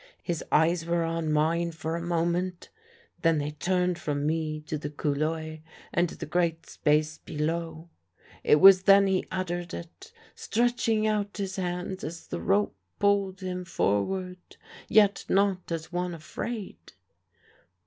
"His eyes were on mine for a moment ... then they turned from me to the couloir and the great space below, It was then he uttered it, stretching out his hands as the rope pulled him forward yet not as one afraid.